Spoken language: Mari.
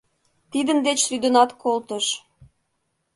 Тидын деч лӱдынат колтыш.